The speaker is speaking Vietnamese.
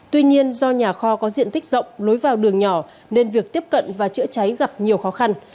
tuy nhiên do nhà kho có diện tích rộng lối vào đường nhỏ nên việc tiếp cận và chữa cháy gặp nhiều khó khăn